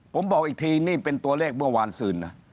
ผมบอกอีกทีนี่เป็นตัวเลขเมื่อวานซืนนะ